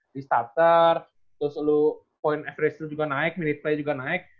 di starter terus lalu point average nya juga naik minute play juga naik